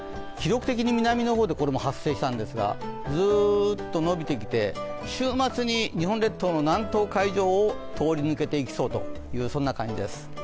記録的に南の方で発生したんですが、ずーつとのびてきて、週末に日本列島の南東海上を通り抜けていきそうというそんな感じです。